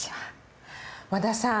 和田さん